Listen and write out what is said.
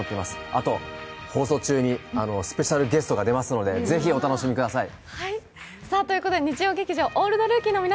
あと、放送中にスペシャルゲストが出ますのでぜひ、お楽しみください！